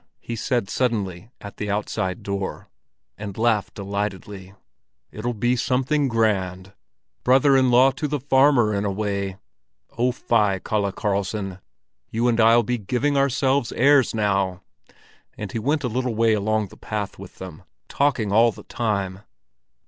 he said suddenly at the outside door, and laughed delightedly; "it'll be something grand—brother in law to the farmer in a way! Oh, fie, Kalle Karlsson! You and I'll be giving ourselves airs now!" He went a little way along the path with them, talking all the time.